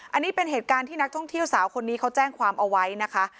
อันนี้เป็นเหตุการณ์ที่นักท่องเที่ยวสาวคนนี้เขาแจ้งความเอาไว้นะคะ